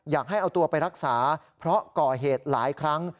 อยากให้เอาตัวไปรักษาเพราะก่อเหตุหลายครั้ง